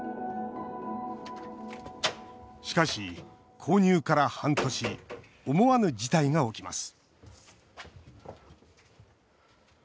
しかし、購入から半年思わぬ事態が起きます